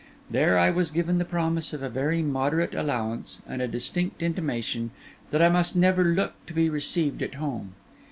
There I was given the promise of a very moderate allowance, and a distinct intimation that I must never look to be received at home.